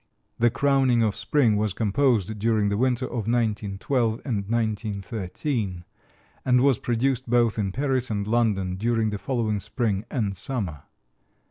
"The Crowning of Spring" was composed during the winter of 1912 and 1913, and was produced both in Paris and London during the following spring and summer.